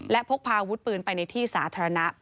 และพกพาอาวุธปืนไปในที่สาธารณะ